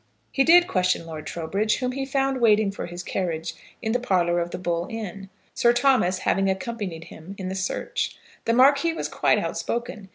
He did question Lord Trowbridge, whom he found waiting for his carriage, in the parlour of the Bull Inn, Sir Thomas having accompanied him in the search. The Marquis was quite outspoken.